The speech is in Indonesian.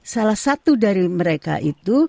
salah satu dari mereka itu